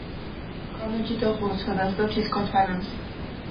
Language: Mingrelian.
ქომონჯი დოღურუ ცოდას დო თის ქოთვალჷნს.